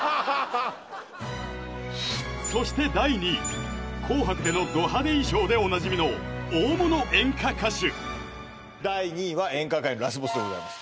そして第２位紅白でのド派手衣装でおなじみの大物演歌歌手第２位は演歌界のラスボスでございます